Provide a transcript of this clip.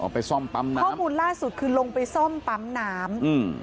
ไปซ่อมปั๊มน้ำข้อมูลล่าสุดคือลงไปซ่อมปั๊มน้ำอืม